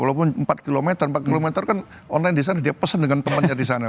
walaupun empat km kan online disana dia pesen dengan temennya disana